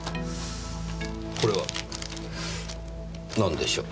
これは何でしょう？